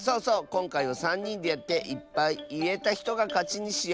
こんかいはさんにんでやっていっぱいいえたひとがかちにしよう。